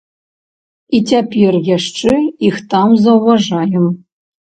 І цяпер яшчэ іх там заўважаем.